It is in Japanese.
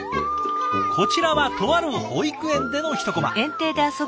こちらはとある保育園での１コマ。